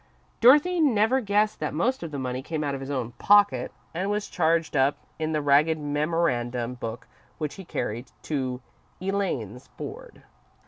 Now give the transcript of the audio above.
Dorothy never guessed that most of the money came out of his own pocket, and was charged up, in the ragged memorandum book which he carried, to "Elaine's board."